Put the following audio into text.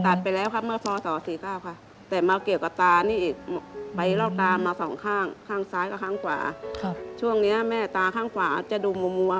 ข้างซ้ายกับข้างขวาครับช่วงนี้แม่ตาข้างขวาจะดูมัว